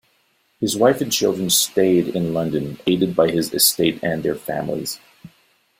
His wife and children stayed in London, aided by his estate and their families.